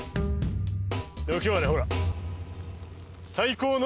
今日はねほら。